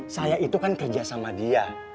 saya itu kan kerja sama dia